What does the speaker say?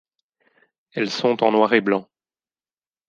Elles sont en noir et blanc.